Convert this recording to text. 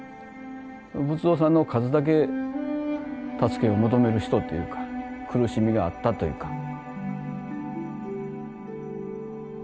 仏像さんの数だけ助けを求める人っていうか苦しみがあったというか。